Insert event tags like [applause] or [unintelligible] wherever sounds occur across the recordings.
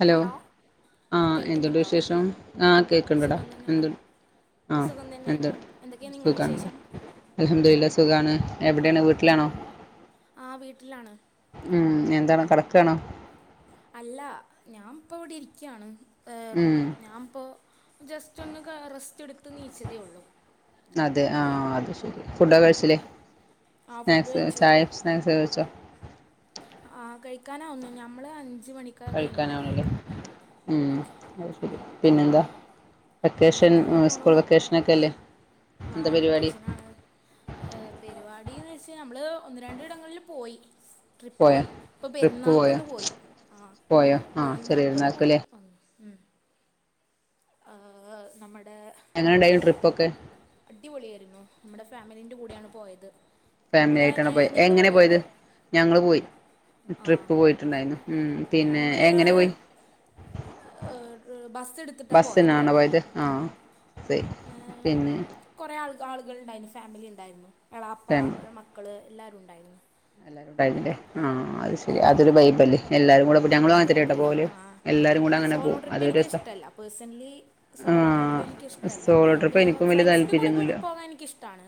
Hello ആ എന്തുണ്ട് വിശേഷം ആ സുഖം തന്നെയാണ് കേക്ക്ട്ടാടഎന്തു ആഹ് സുഖം തന്നെയാണ് എന്ത് എന്തൊക്കെയാ നിങ്ങളെ സുഖണോ വിശേഷം അൽഹംദുലില്ലാ സുഖാണ് എവിടേണ് വീട്ടിലാണോ ആഹ് വീട്ടിലാണ് ഉം എന്താണ് കടക്കാണോ അല്ല ഞാൻപ്പൊ ഇവിടിരിക്കാണ് ഏ ഉം ഞാൻപ്പൊ ജസ്റ്റ് ഒന്ന് കാ റെസ്റ്റ് എടുത്ത് നീച്ചതേ ഒള്ളൂ- അതെ ആഹ് അത് ശരി ഫൂഡോക്കെ കഴിച്ചിലേ സ്നാക്സ് ചായ സ്നാക്സ് കഴിച്ചോ ആഹ് കഴിക്കാനാവുന്നു ഞമ്മള് അഞ്ച് മണിക്ക് കഴിഞ്ഞിട്ടാ കഴിക്കാനാവണല്ലേ കഴിക്കാറ്- ഉം അയ് ശരി പിന്നെന്താ- വെക്കേഷൻ പിന്നെന്താ സ്കൂൾ വെക്കേഷ്നക്കല്ലേ- ആഹ് വെക്കേഷനാണ്- എഹഹ പെരുവാടീന്ന് വെച്ചാ നമ്മള് ഒന്ന് രണ്ടിടങ്ങളില് പോയി- പോയോ ട്രിപ്പോയി ഇപ്പോ ട്രിപ്പ് പോയോ പെരുന്നാൾക്കൊന്ന് പോയി ആഹ് പോയോ ആഹ് ചെറിയ പെരുന്നാൾക്കൊന്ന് പോയി പെരുന്നാൾക്കല്ലേ വന്നു- മമം ആഹ് ഹ് നമ്മടെ എങ്ങനണ്ടേനു ട്രിപ്പൊക്കെ- അടിപൊളിയരുന്നു നമ്മടെ ഫാമിലിന്റെ കൂടെയാണ് പോയത്- ഫാമിലായിട്ടാണ് നിങ്ങളെങ്ങനെ പോയ നിങ്ങൾ എങ്ങനെ പോയോ പോയത് ഞങ്ങള് പോയി ട്രിപ്പ് പോയിട്ട്ണ്ടായിരുന്നു ഉം പിന്നേ നമ്മൾ എങ്ങനെ പോയി ബസ് എടുത്തിട്ടാണ് ബസിനാണോ പോയത് ആ ആഹ് [unintelligible] പിന്നെ കൊറേ ആൾ ആൾകൾണ്ടായിരുന്നു ഫാമിലി ഇണ്ടായിരുന്നു എളാപ്പ ലെ മക്കൾ എല്ലാരും ഇണ്ടായിരുന്നു എല്ലാരുംണ്ടായിരുന്നല്ലേ ആഹ് അത് ശരി അതൊരു വൈബല്ലേ എല്ലാരും കൂടെ ആ [unintelligible] ഞങ്ങളും അതെ അങ്ങനത്തന്നേട്ടോ അതെ പോവല് ആ എല്ലാരും കൂടെ അങ്ങനെ സോളോ പോവും ട്രിപ്പ് അതൊര് രസ എനിക്കിഷ്ടമല്ല പേഴ്സണലി സോളോ ട്രിപ്പ് എനിക്കിഷ്ട്ടല്ല പിന്നെ എനിക്കും വലിയ ഫ്രണ്ട്സിൻ്റെ കൂടെ പ്പൊ താല്പര്യൊന്നുല്ല പോകാൻ എനിക്കിഷ്ട്ടാണ്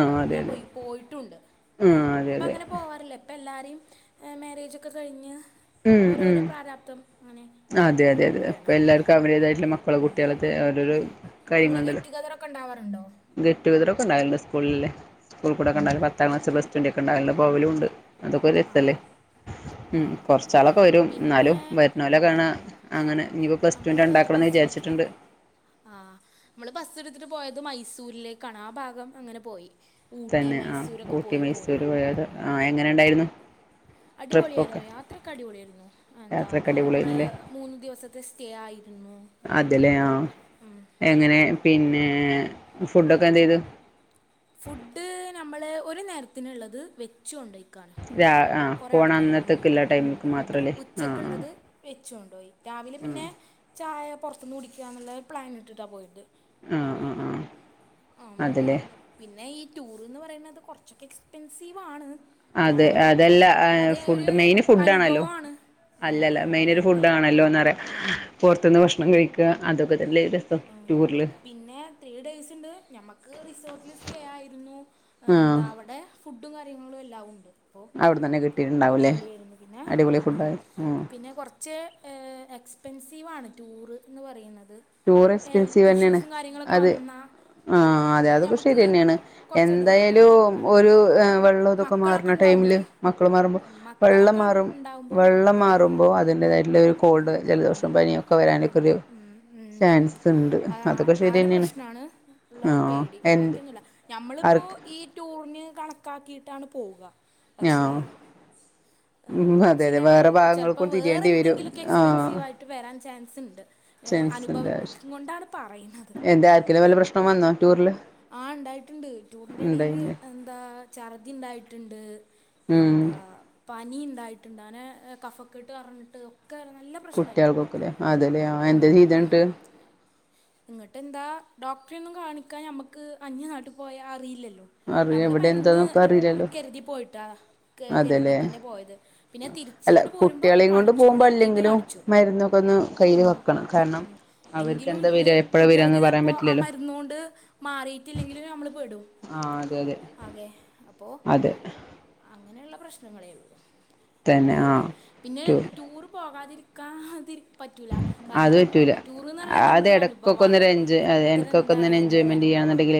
ആഹ് അതെ ഞാൻ അതെ പോയി പോയിട്ടുണ്ട് ആഹ് അതെ ഇപ്പ അതെ അങ്ങനെ പോവാറില്ല പ്പല്ലാരിം ഏ മാരേജൊക്കെ കഴിഞ്ഞ് ഓരോരോ പ്രാരാപ്തം ആഹ് അതെ അതെ അതെ പ്പൊ എല്ലാർക്കും അവരുടേതായിട്ടുള്ള മക്കള് കുട്ട്യാളൊക്കെ ഓരോരു ഇങ്ങളേ ഗെറ്റുഗെദറൊക്കെ ണ്ടാവാറുണ്ടോ ഗെറ്റു ഗെദറൊക്കെണ്ടാവലുണ്ട് സ്കൂള്ല്ലേ ഉം. സ്കൂൾക്കുടൊക്കെണ്ടാവല് പത്താം ക്ലാസ് പ്ലസ് ടു ന്റൊക്കെണ്ടാവല്ണ്ട് പോവലൂണ്ട് ആ അതൊക്കൊരസല്ലേ ആ ഉം കൊർച്ചാളൊക്കെ വരും ന്നാലും വര് ഉം ഉം അമ്മള് ഉണ്ടാക്കണംന്ന് ബസ്സിടുത്തിട്ട് വിചാരിച്ചിട്ടുണ്ട് ആഹ് മ്മള് ബസ്സിടുത്തിട്ട് പോയത് മൈസൂരിലേക്കാണ് ആ ഭാഗം അങ്ങനെ പോയി ഊട്ടി തന്നെ മൈസൂരൊക്കെ പോയി പോന്നു ഉം എങ്ങനെണ്ടായിരുന്ന് അടിപൊളിയായിരുന്നു യാത്രൊക്കെ അടിപൊളിയായിരുന്നു എന്താ യാത്രയൊക്കെ നമ്മള് അടിപൊളിയായിരുന്നില്ലേ മൂന്ന് ദിവസത്തെ സ്റ്റേ ആയിരുന്നു അതല്ലേ ആ എങ്ങനെ പിന്നേ ഫുഡൊക്കെ എന്തേയ്ത് ഫുഡ് നമ്മള് ഒരു നേരത്തിന്ള്ളത് വെച്ചൊണ്ടോയി ക്കാണ് രാ ആഹ് കൊറേ പോണ ആൾക്കാരോ ഉം അന്നത്തേക്കില്ല ഉം ടൈമിക്ക് ഉം മാത്രല്ലേ ആഹ് ഉച്ചക്ക്ള്ളത് വെച്ചൊണ്ടോയി രാവിലെ ആഹ് പിന്നെ ചായ പുറത്തുന്ന് കുടിക്കാന്നുള്ള പ്ലാൻ ഇട്ടിട്ടാ പോയിട്ട് ആഹ് ആഹ് ആഹ് ആം അതേല്ലേ പിന്നെ ഈ ടൂർന്ന് പറയുന്നത് കുറച്ചൊക്കെ എക്സ്പെൻസീവാണ് അതെ എന്നാലും അതെല്ല ഏഹ് അത് ഒരു ഫുഡ് മെയിൻ ഫുഡ് ആണല്ലോ അനുഭവമാണ് ഉം അല്ലല്ല മെയിൻ ഇത് മെയിൻലി ഫുഡ് ആണല്ലോന്നറയാ ഉം പുറത്തുന്ന് ഭക്ഷണം കഴിക്കാ അതൊക്കെ തന്നെ ഒര് ഉം പിന്നെ ത്രീ ഡേയ്സ് ഉണ്ട് ഞമുക്ക് റിസോർട്ടിൽ സ്റ്റേ ആയിരുന്നു ആഹ് എന്താ അവിടെ ഫുഡും കാര്യങ്ങളും എല്ലാം ഉണ്ട്പ്പോ അവിടെന്നന്നെ കിട്ടിട്ടുണ്ടാവൂല്ലേ അടിപൊളി ഫുഡയി ഉം ച്ച് ഏഹ് എക്സ്പെൻസീവാണ് ടൂറ് എന്ന് പറയുന്നത് ടൂർ എക്സ്പെൻസീവ് ഹെൽത്ത് തന്നെയാണ് ഇഷ്യൂസും കാര്യങ്ങളൊക്കെ അത് വന്നാ ആഹ് അതെ അതൊക്കെ ശരിയന്നേണ് കുറച്ചധികമാണ് എന്തായാലും കാരണം ഒരു ഏഹ് വെള്ളം തൊക്കെ മക്കളൊക്കെ മാർണ ടൈമില് ഉണ്ടാവുമ്പോളേ മ ക്കൾ മാറുമ്പോ വെള്ളം മക്കളൊക്കെ മാറും ഉണ്ടാവുമ്പോൾ വെള്ളം ആ മാറുമ്പോ അതിൻ്റെതായിട്ടുള്ള ഒരു കോൾഡ് ജലദോഷം പനിയൊ ആം ഉം ഉം ഉം ഉണ്ട് അ ആഹ് അതൊക്കെ ആ ശരി ഒരു തന്നെയാണ് പ്രശ്നാണ് ഉള്ള ആഹ് പേടി എന്ത് വാക്ക്യൊന്നുല്ല ഞമ്മളിപ്പോ ആർക്ക് ഈ ടൂറിന് കണക്കാക്കിയിട്ടാണ് പോവുക പക്ഷേ ആഹ് ഉം ഏഹ് അതെ അതെ ചില വേറെ ചിലപ്പോ ഭാഗങ്ങൾക്കും വേറെ തിരിയേണ്ടി വരും എന്തെങ്കിലൊക്കെ ആഹ് എക്സ്പെൻസീവായിട്ട് വരാൻ ചാൻസ് ഉണ്ട് ഏഹ് ചാൻസ് ഉണ്ട് അനുഭവം കൊണ്ടാണ് പറയുന്നത് എന്താ ആർക്കേലും വല്ല പ്രശ് നം വന്നോ ടൂറ്ല് ആഹ് ഉണ്ടായിട്ടുണ്ട് ടൂറിന്റെ എടേയില് എന്താ ഛർദി ഇണ്ടായിട്ടുണ്ട് ഉം എന്താ പനി ഉണ്ടായിട്ടുണ്ടനെ കഫക്കെട്ട് പറഞ്ഞിട്ട് ഒക്കെങ്ങനെ നല്ല പ്രശ്നമായിട്ടുണ്ട് കുട്ട്യാൾക്കൊക്കെല്ലേ അതല്ലെ ആഹ എന്താ ചെയ്തന്ന്ട്ട് ഇങ്ങട്ട് എന്താ ഡോക്ടറെ ഒന്നും കാണിക്കാൻ നമുക്ക് അന്യ നാട്ടിൽ പോയാ അറിയില്ലല്ലോ. അറിയ ഞമ്മള് ഇവിടെ മരുന്ന് എന്താന്നൊക്കെ അറിയില്ലല്ലോ കരുതി പോയിട്ടാ ക അതെല്ലേ കരുതിയിട്ട്ന്നെ പോയത്. പിന്നെ തിരിച്ച് അല്ല ഇങ്ങോട്ട് പോരുമ്പോ കുട്ടികളെയും കൊണ്ട് കാണിച്ചു പോകുമ്പോ ഇവിടെ എത്തിട്ട് അല്ലെങ്കിലും കാണിച്ചു മരുന്നൊക്കെ ഉം അവർക്ക്ന്തേ അ് കുട്ട്യാൾക്ക് ചിലപ്പോ ആ മരുന്നോണ്ട് മാറിയിട്ടില്ലെങ്കിലും നമ്മള് പെടും. ആ അതെ അതെ ആകെ അപ്പോ അതെ അങ്ങനെയുള്ള പ്രശ്നങ്ങളേ ഉള്ളൂ തന്നെ ആ ടൂറില് പിന്നെ ടു ടൂറ് പോകാതിരി ക്കാതിരി പറ്റൂല്ല കാരണം ടൂർന്ന് പറഞ്ഞ് കഴിഞ്ഞാൽ നമ്മൾ കൊക്കൊന്ന് ഒരഞ്ചോയ് അതെ എനിക്കൊക്കൊന്നിങ്ങനെ ഒരു എൻജോയ്മെന്റ് അനുഭവമാണ് ചെയ്യണന്നുണ്ടങ്കിൽ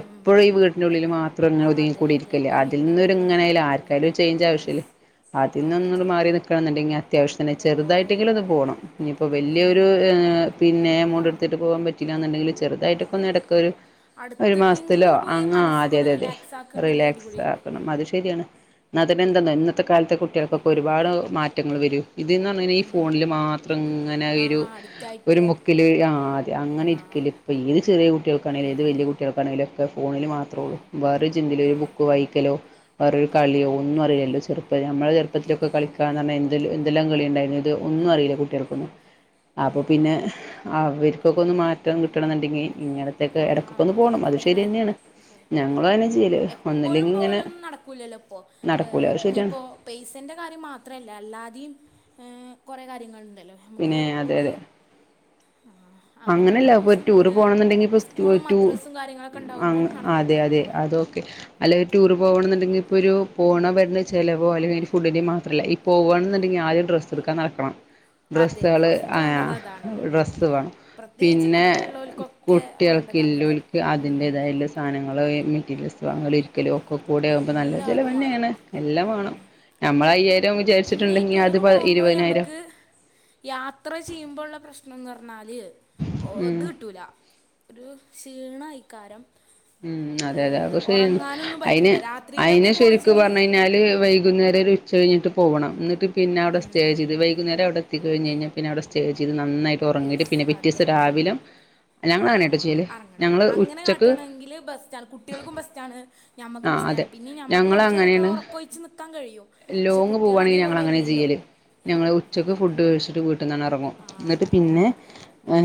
എപ്പോഴുംഈ വീട്ടിന്റെ ഉള്ളിൽ മാത്രം ത്രം ആ ഇങ്ങനെ ഒതുങ്ങി അതെ കൂടി അതെ ഇരിക്കല്ലേ ഒതുങ്ങിക്കൂടാൻ അതിൽന്നും പറ്റുമോ ഇങ്ങനെ ആയാലും പറ്റില്ല ആർക്കായാലും ഒര് ചേഞ്ച് ആവശ്യല്ലേ യെസ് അതിൽ ആ നിന്നൊട് ചെ മാറി നിൽക്കണംന്നുണ്ടെങ്കി അത്യാവശ്യത്തിന് ഓ ചെറുതായിട്ടെങ്കിലും ഒന്ന് പോണം. ഇനിയിപ്പോ ഉം. വലിയൊരു പിന്നെ എമൗണ്ട് എടുത്തിട്ട് പോവാൻ പറ്റിയില്ലാന്നുണ്ടെങ്കിൽ ചെറുതായിട്ടൊക്കെന്നെടക്കൊരു ഒരു അടുത്തേക്കെങ്കിലും മാസത്തിലോ ഒന്ന് പോയി അങ്ങാ മനസ്സൊക്കെ അതെ ഒന്ന് അതെ അതെ റിലാക്സ് ആക്കുകയാണെങ്കിൽ റിലാക്സ് അടിപൊളിയല്ലേ ആക്കണം അത് ശരിയാണ്. എന്നാതന്നെ എന്താന്നോ ഇന്നത്തെ കാലത്തെ കുട്ട്യാൾക്കൊക്കെ ഒരുപാട് മാറ്റങ്ങൾ വരും ഇത് ന്ന് പറഞ് കഴിഞ്ഞാ ഈ ഫോണിൽ മാത്രം ഇങ്ങനെ ആ ഈ ഒരു ഒരു അടുത്തായിട്ട് മുക്കില് ആഹ് അതെ ആ അങ്ങനെ ഇരിക്കല് ഇപ്പൊ ഏത് ചെറിയ കുട്ട്യാൾക്കാണേലും ആ ഏത് വലിയ കു കുട്ട്യാൾക്കാണെങ്കിലൊക്കെ ഫോണിൽ മാത്രേ ഉള്ളൂ വേറെ ചിന്തീലൊ ഒരു ആ ബുക്ക് വായിക്കലോ വെറോരു കള്യോ ഒന്നും അറിലല്ലോ ചെർപ്പ പ്പം നമ്മളെ ചെറുപ്പത്തിലൊക്കെ കളിക്കാന്നറഞ്ഞാ എന്തെല്ലാം എന്തല്ലാം കളിയുണ്ടായിരുന്നു ഇത് ഒന്നും അറിയില്ല കുട്ട്യാൾക്കൊന്നും അപ്പൊ പിന്നെ അവർക്കൊക്കെ ഒന്ന് മാറ്റം കിട്ടണം എന്നുണ്ടെങ്കി ഇങ്ങനെ ആഹ് ഇതൊക്കെ തന്നെയാണ് ഞങ്ങളും അതന്നെ ഉം ചെയ്യല് എപ്പോഴും ഒന്നില്ലെങ്കി ഇങ്ങനെ പോവലൊന്നും നടക്കൂലല്ലോ. പ്പോ നടക്കൂല ഏഹ് അത് ശരിയാണ് ഇനിയിപ്പോ പൈസേൻ്റെ കാര്യം മാത്രല്ല അല്ലാതീം ഏഹ് കുറെ കാര്യങ്ങളുണ്ടല്ലോ നമുക്ക് പിന്നെ ഒരു ആഹ് അങ്ങനെ അങ്ങനെല്ല ഇപ്പ നടക്കും ഒരു ടൂറ് സ്കൂള് പോണംന്നുണ്ടെങ്കി ഇപ്പോ സ് സ്കൂളും തോറ്റു മദ്രസും കാര്യങ്ങളൊക്കെ ഉണ്ടാകുമ്പോൾ അങ് നടക്കൂല അതെ അതെ അതോക്കെ അല്ലേ ടൂർ ഉം പോണൻ ന്ന്ണ്ടെങ്കെ ഇപ്പൊരു പോണെ വെർണേ ചെലവോ അല്ലെങ്കിഒരു ഫുഡ്ഡിൻ്റെം മാത്രല്ല ഈ പോവണെന്ന്ണ്ടെങ്കിൽ ആദ്യം ഡ്രസ്സ് ട്ക്കാനടക്കണം അതെ ഡ്രസ്സാള് ഫസ്റ്റ് വേണ്ടത് ആഹ് അതാണ് ഉം ഡ്രസ്സ് വാണം. പ്രത്യേകിച്ച് പിന്നെ കുട്ടികളുള്ളവർക്കൊക്കെ വേണ്ടത് അങ്ങനെ കുട്ടേൾക്ക്ല്ലോൽക്ക് ഉം അതിൻ്റേതായുള്ള സാനങ്ങള് എ മെറ്റീരെൽസ് വാങ്ങല് ഇരിക്കല് ഒക്കെകൂടെ ആകുമ്പോ എല്ലാതും വേണം നല്ലചെലവെന്നേണ് എല്ലാംവാണം നമ്മള് അയ്യായിര പിന്നെഈ ടൂറ് പോകുമ്പോ ഞമ്മക്ക് യാത്ര ചെയ്യുമ്പോള്ള പ്രശ്നംന്നറ്ഞ്ഞാല് ഓ ഉം ത്ട്ടൂല ഒരു ക്ഷീണൈക്കാരം. ഉം അതെ അതെ അതുംഷെരിന്നെ അയിന് പറ്റൂല അയിന് രാത്രിയിലൊക്കെ ശരിക്ക് പോകണമെച്ചെങ്കിൽ പറ്ഞ്ഞൈ യിഞ്ഞാല് വൈകുന്നേരെല് ഉച്ച കഴിഞ്ഞിട്ട് പോണം ന്നിട്ട് പിന്നെ ആടെ സ്റ്റെചെയ്ത് വൈകുന്നേരവിടെത്തി കഴിഞ്ഞഴിഞ്ഞാ പിന്നെ അവിടെ സ്റ്റേ ചെയ്ത് നന്നായിട് ഒറങ്ങീട്ട് യെസ് പിന്നെ അത് പിറ്റേസം തന്നെ രാവിലം ആ ഞങ്ങളങ്ങനേട്ടോ ചെയ്യല് ഞങ്ങള് ഉച്ചക്ക് ല് ബസ്റ്റാണ് കുട്ടേൾക്കും ബസ്റ്റാണ്. ഞമ്മക്കും ആഹ് അതെ ബസ്റ്റാണ് പിന്നിം ഞമ്മക്ക് ഞങ്ങള് കൊറ്ച്ചേരൊക്കെ അങ്ങനെയാണ് ഒറ്ക്കൊഴിച്ച് നിക്കാൻകഴിയും പക്ഷെ ലോങ്ങ് കുട്ടൃള് പോവാണെങ്കിൽ ഞങ്ങള് അതീപോലെ അങ്ങനെ അല്ലല്ലോ ചെയ്യല് ഞങ്ങള് ഉച്ചക്ക് ഫുഡ്ഡ് കഴിച്ചിട്ട് വീട്ടിന്നങ്ങറങ് ആഹ് ആഹ്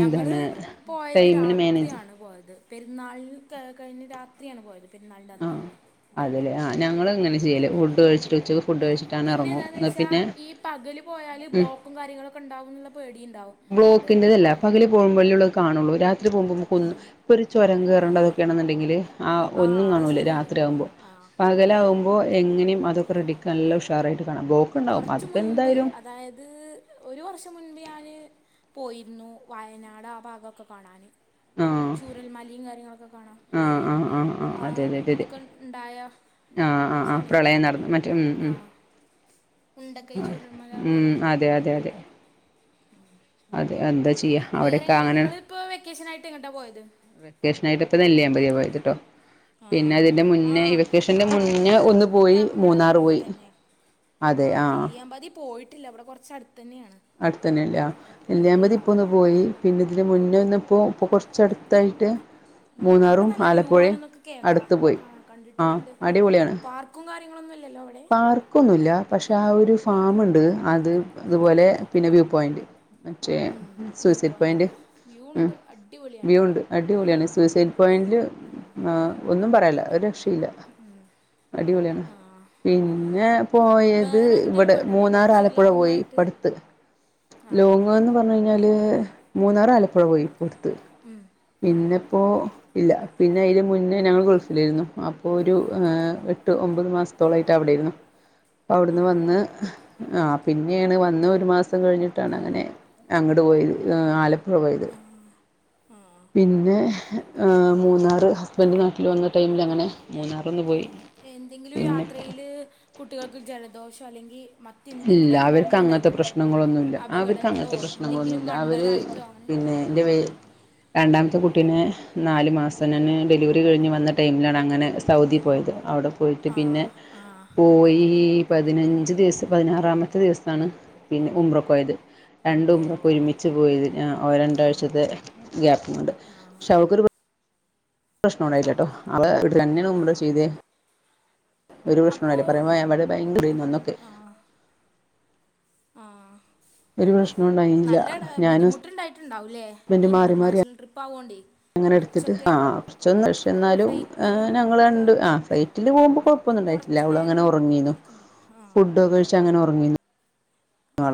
ഞങ്ങള് പോയത് ടൈമിന് മാനേജ് രാത്രിയാണ് പോയത്. പെരുന്നാള് കഴി കഴിഞ്ഞ് രാത്രിയാണ് പോയത് പെരുന്നാളിൻ്റന്ന്. അതേലെ ആഹ് ഞങ്ങള് ഇങ്ങനെ ചെയ്യല് ഫുഡ്ഡഴിട്ട് ഉച്ച പിന്നെ എന്താന്ന് വെച്ചാ ഈ പകല് പോയാല് ഉം ബ്ലോക്കും കാര്യങ്ങളൊക്കെണ്ടാകുംന്നുള്ള പേടിംണ്ടാവും. ബ്ലോക്കിന്റെതല്ല പകല് പോകുമ്പോ ലൊള്ളു കാണുള്ളൂ രാത്രി പോകുമ്പോ നമക്കൊന്ന് ഇപ്പൊരു ചൊരം കേറേണ്ടതൊക്കെണെന്നുണ്ടെങ്കില് ആഹ് ആ ഒന്നും അത് കാണൂല ശരിയാണ് രാത്രിയാവുമ്പോ ആ പക പകലാകുമ്പോ എങ്ങെനിം അതൊക്കെ റെഡിക്ക്നല്ല ഉഷാറായിട്ട് കാണാം ബ്ലോക്ക് ഉണ്ടാവും കൊറച്ച് അതിപ്പോ മുൻപ് എന്തായാലും അതായത് ഒരു വർഷം മുൻപ് ഞാന് പോയിരുന്നു വയനാട് ആ ഭാഗൊക്കെ കാണാന് ആഹ് ചൂരൽമലിം കാര്യങ്ങളൊക്കെ കാണാം ആഹ് പോയിരുന്നു ആഹ് അതെ ആഹ് അതെ അതെ അതെ ദൊക്കെണ്ടായ ആഹ് ആഹ് ആഹ് സമയത്ത് പ്രളയം നടന്ന് മറ്റേ ഉം ഉം ആഹ് ഉം അത് അതെ അതെ അതെ അതെ എന്താ ചെ വേറെ ങ്ങളിപ്പോ വെക്കേഷനായിട്ട് എങ്ങട്ടാ പോയത് കേഷനായിട്ട് ഇപ്പ നെല്ലൃപതിയാപോയത്ട്ടോ ആഹ് ആഹ് ആത് മുന്നേ ഒന്ന് പോയി ഞമ്മളെവ്ടെ മൂന്നാറ് പോയി അടുത്തന്നെ അതെ ആ ആഹ് നെല്ലിയാമ്പതി പോയിട്ടില്ല ഇവിടെ കൊറ്ച്ചടുത്തെന്നെയാണ് അടുത്തെന്നെല്ലെആ നെല്ലൃമ്പതി ഇപ്പൊന്ന് പോയി പിന്നെതിന് മുന്നൊന്ന്പ്പോ ഇപ്പോ കൊറ്ച്ചടുത്തായിട്ട് അവിടെ മൂന്നാറും നല്ല വ്യൂ ആലപ്പുഴെം ആണെന്നൊക്കെ കേൾക്കാം അടുത്ത് പോയി ആഹ് അടിപൊളിയാണ് പാർക്കുംകാര്യങ്ങളൊന്നുംല്ലല്ലോ അവിടെ പാർക്കൊന്നുല്ല പക്ഷെ ആ ഒരു ഫാമ്ണ്ട് അത് ഇതുപോലെ പിന്നെ വ്യൂ പോയൻ്റ് മറ്റേ ഉം view suicide point point view മ് ഉണ്ട് അടിപൊളിയാണ് വ്യൂ ഉണ്ട് അത് ഞാൻ അടിപൊളിയാണ് കണ്ടിക്കുണു സൂസൈഡ് പോയൻ്റ് ആഹ് ഒന്നും പറയാല്ല ഒരു രക്ഷില്ല ഉം ആഹ് ആഹ് ആഹ് പിന്നെ പോയത് വേറെങ്ങെട്ടേലും ഇവിടെ പോയിട്ടുണ്ടോ മൂന്നാർ കൊറ്ച്ച് ലോങ്ങായിട്ട് ആഹ് ലോങ്ങ്ന്ന് പറ്ഞ്ഞഴിഞ്ഞാല് മൂന്നാറ് ആലപ്പുഴ പോയി ഇപ്പടുത്ത് ഉം പിന്നെ പ്പോ ഇല്ല പിന്നെ ഇതിന് മുന്നേ ഞങ്ങള് ഗൾഫിലേയിന്നു അപ്പോഒരു ആ എട്ട് ഒമ്പത് മാസത്തോളായിട്ട് അവിടെയിന്നു പ്പവിടുന്ന് ആഹ് വന്ന് ആഹ് പിന്നേണ് വന്ന് ഒരുമാസം [unintelligible] കഴിഞ്ഞിട്ടാണങ്ങനെ അങ്ങട്ട് പോയത് ആലപ്പുഴ പൊപോയത് പിന്നെ ആ മൂന്നാറ് ഹസ്ബൻഡ് നാട്ടില് വന്ന്ട്ട് പിന്നങ്ങനെ മൂന്നാറ് ഉം എന്തെങ്കിലും യാത്രയില് കുട്ടികൾക്ക് ജലദോഷം അല്ലെങ്കി മ ഇല്ല അവർക്ക് അങ്ങൻത്തെ പ്രശ്നങ്ങളൊന്നുല്ല അപകടങ്ങളോ അവർക്കങ്ങത്തെ എന്തെങ്കിലും പ്രശ്നങ്ങളൊന്നുല്ല അവര് കണ്ടതായിട്ടോ അങ്ങനെ പിന്നെ [unintelligible] രണ്ടാമത്തെ കുട്ടീനെ നാല് മാസം ഞാന് ഡെലിവറി കഴിഞ്ഞ് വന്ന ടൈമിലാണ് അങ്ങനെ സൗദി പോയത് അവടെ പോയിട്ട് പിന്നെ ആഹ് ആഹ് പോയി പതിനഞ്ച് ദിവസം പതിനാറാമത്തെ ദിവസാണ് പിന്ന ഉമ്രക്കോയത് രണ്ട് ഉമ്ര ഓഹ് ഒരുമിച്ച് പോയി ആ രണ്ടാഴ്ചത്തെ ഗ്യാപ്പുണ്ട് പക്ഷെ അവക്കൊരു പ്രശ്നണ്ടായില്ലട്ടോ അവ [unintelligible] മുമ്പേ ചെയ്തേ ഒരു അപ്പോ പ്രഷ്നോണ്ടായില്ല പറയുമ്പോ ഭയങ്കരേർന്നു ഏഹ് അന്നൊക്കെ ആ ഒരു പ്രശ്നം ഉണ്ടായില്ല നല്ല ഞാനും ബുദ്ധിമുട്ടുണ്ടായിട്ടുണ്ടാവുല്ലേ ഹസ്ബൻഡ് ഈ മാറി മാറി ഇന്റർനാഷണൽ ട്രിപ്പ് ആവോണ്ടേ അങ്ങനെ എടുത്തിട്ട് കുറച്ചൊക്കെ ആ കുറച്ചൊന്ന് പക്ഷേ എന്നാലും ഫ്ലൈറ്റിലും ഞങ്ങള് ഒക്കെ രണ്ട് ആ ഫ്ലൈറ്റിൽ പോകുമ്പോ കൊഴ കൊഴപ്പൊന്നുണ്ടായിട്ടില്ല കുറച്ച് അവള് അങ്ങനെ നേരം ഒറങ്ങീന്ന് ഇരിക്കണ്ടേ ആഹ് ഫുഡ് ഒക്കെ കഴിച്ച് അങ്ങനെ ഒറങ്ങിന്നു ആ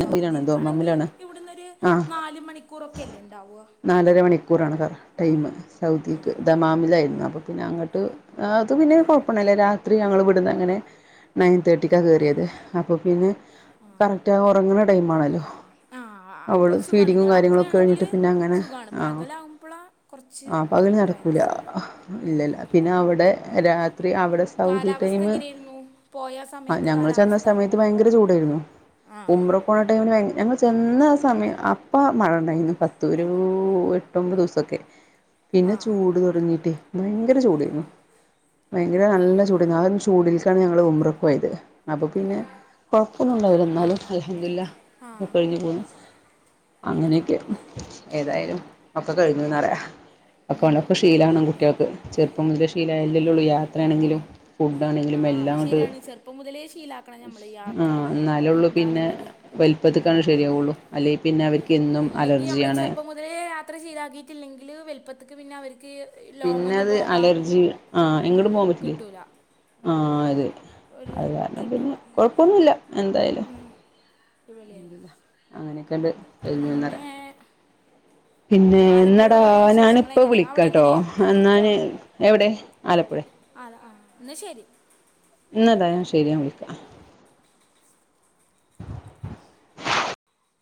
സൗദീൽക്കാണെങ്കി ദോമാമിലാണ് ഇവിടന്നൊരു ആ നാല് മണിക്കൂറൊക്കെല്ലേ ഇണ്ടാവ നാലര മണിക്കൂറാണ് ടൈമ് ആ സൗദിക്ക് ആ ദമാമിലായിരുന്നു അപ്പൊ പിന്നെ അങ്ങട്ട് അത് പിന്നെ കുഴപ്പണ്ടായില്ല രാത്രി ഞങ്ങള് ഇവിടുന്ന് അങ്ങനെ ണയൻ തേർട്ടിക്ക കേറിയത് അപ്പൊ പിന്നെ കറക്റ്റാ ഒറങ്ങണ ടൈമാണല്ലോ ആ ആ അപ്പോൾ അവള് സുഖമാണ് ഫീഡിങ്ങും കാര്യങ്ങളൊക്കെ രാത്രിയാണെങ്കിൽ കഴിഞ്ഞിട്ട് പിന്നെ അങ്ങനെ സുഖമാണ് ആ പകലാകുമ്പോഴാണ് കുറച്ച് ആ ഇത് പകല് നടക്കൂല പ്രയാസം ഇല്ലല്ല പിന്നെ അവിടെ രാ ത്രി അവിടെ സൗദി കാലാവസ്ഥ ടൈമ് എങ്ങനെയായിരുന്നു പോയ സമയത്തെ ഞങ്ങള് ചെന്ന കാലാവസ്ഥ സമയത്ത് ഭയങ്കര ചൂടായിരുന്നു ആ ഉമ്ര പോണ ടൈമിന് ഞങ്ങള് ചെന്ന സമയം അപ്പൊ മഴ ഇണ്ടായിരുന്നു പത്ത് ഒരു എട്ടൊമ്പത് ദിവസൊക്കെ പിന്നെ ആ ചൂട് തൊടങ്ങീട്ടെ ഭയങ്കര ചൂടെയിരുന്നു ഭയങ്കര നല്ല ചൂ ചൂടിലിക്കാണ് ഞങ്ങള് ഉമ്രക്ക് പോയത് അപ്പൊ പിന്നെ കൊഴപ്പൊന്നുണ്ടായില്ല അൽഹംദുലില്ലാഹ് ഒക്കെ കഴിഞ്ഞു പോന്നു അങ്ങനെയൊക്കെ ഏതായാലും ഒക്കെ കഴിഞ്ഞുന്ന് പറയാ ഒക്കെണ്ടൊക്കെ ഷീലാവണ് കുട്ടികൾക്ക് ചെറ് പ്പം മുതൽ ശീലായല്ലേ ഒള്ളൂ ആ യാത്രയാണെങ്കിലും ഫുഡ് ആ ഫുടാണെങ്കിലും അത് എല്ലാം അങ്ങട് ശരിയാണ് ചെറുപ്പം മുതലേ ശീലാക്കണം നമ്മൾ യാത്ര പിന്നെ എന്താന്നുള്ളത് വലുപ്പത്തിക്കാണ് ശരിയാവുള്ളു അല്ലെങ്കിൽ പിന്നെ അവർക്ക് എന്നും ഇല്ലെങ്കിൽ നമ്മൾ അലർജിയാണ് ചെറുപ്പം യാത്ര ഷീലാക്കീട്ടില്ലെങ്കിൽ വലുപ്പത്തിക്ക് പിന്നെ അവര്ക്ക് പിന്നെ അത് അലർജി ആ എങ്ങടും ഉം, പോകാൻ പറ്റില്ലേ കിട്ടൂല ആ അതെന്നേ ഒരു അത് ഇത് കാരണം പിന്നെ കിട്ടൂല കൊഴപ്പൊന്നുല്ല എന്തായാലും ഉം, അടിപൊളിയായി അൽഹംദുലില്ലാഹ് അങ്ങനെക്കാണ്ട് കഴിഞ്ഞൂന്ന് പിന്നെ റയ പിന്നെ ആലപ്പുഴ എന്നടാ പോയ വിശേഷങ്ങൾ ഞാനിപ്പ എങ്ങനെ അവിടെ വിളിക്കാട്ടോ എങ്ങനെ എന്നാന് എവിടെ ആലപ്പുഴേ അത ആ ന്നേ ശരി ഇന്നതാ ഞാൻ ശരി ഞാ വിളിക്ക